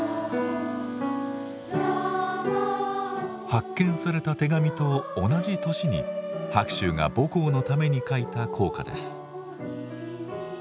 発見された手紙と同じ年に白秋が母校のために書いた校歌です。